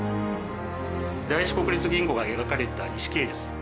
第一国立銀行が描かれた錦絵です。